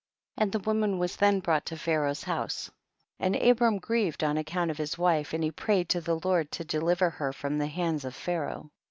16. And the woman was then brought to Pharaoh's house, and Abram grieved on account of his wife, and he prayed to the Lord to de liver her from the hands of Pha raoh.